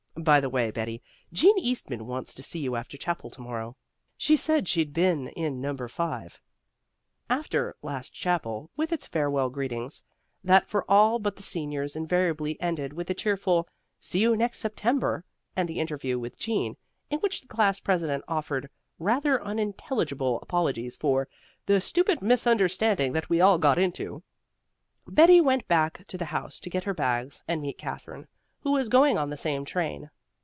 By the way, Betty, Jean Eastman wants to see you after chapel to morrow. She said she'd be in number five." After "last chapel," with its farewell greetings, that for all but the seniors invariably ended with a cheerful "See you next September," and the interview with Jean, in which the class president offered rather unintelligible apologies for "the stupid misunderstanding that we all got into," Betty went back to the house to get her bags and meet Katherine, who was going on the same train.